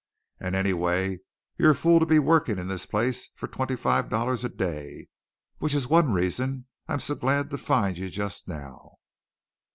And anyway, you're a fool to be working in this place for twenty five dollars a day, which is one reason I'm so glad to find you just now."